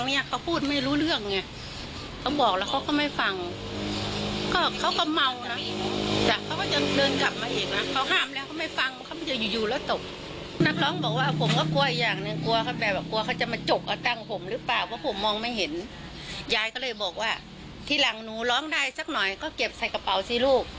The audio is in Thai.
ยายก็เลยบอกว่าทีหลังหนูร้องได้สักหน่อยก็เก็บใส่กระเป๋าสิลูก